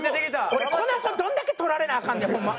俺この子どんだけ取られなアカンねんホンマ。